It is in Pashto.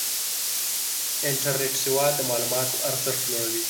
انټرنېټي سواد د معلوماتو ارزښت لوړوي.